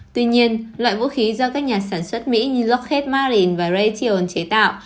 tuy nhiên loại vũ khí do các nhà sản xuất mỹ như lockheed martin và raytheon chế tạo